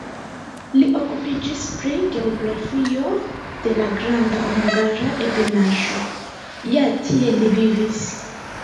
Li okupiĝis pri geografio de la Granda Hungara Ebenaĵo (ja tie li vivis).